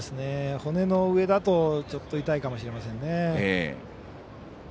骨の上だとちょっと痛いかもしれませんね。